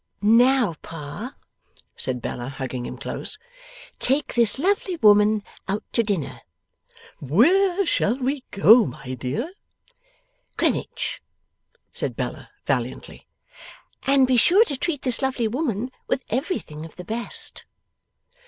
'Now, Pa,' said Bella, hugging him close, 'take this lovely woman out to dinner.' 'Where shall we go, my dear?' 'Greenwich!' said Bella, valiantly. 'And be sure you treat this lovely woman with everything of the best.